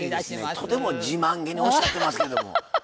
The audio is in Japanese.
とても自慢げにおっしゃってますけど。